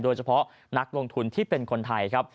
โดยเฉพาะนักลงทุนที่เป็นคนไทยครับ